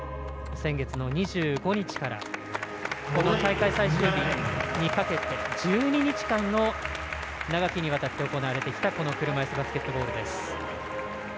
先月の２５日からこの大会最終日にかけて１２日間の長きにわたって行われてきたこの車いすバスケットボールです。